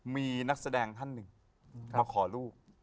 มีนักแสดงท่านหนึ่งมาขอลูก